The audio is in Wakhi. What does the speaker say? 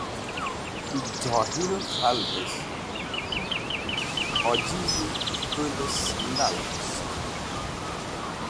Johil Khalges̃h Ojize K̃hu Pudhe Sandal Disht